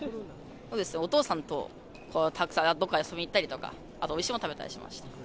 お父さんとたくさんどっかに遊びに行ったりとか、あとおいしいもの食べたりしました。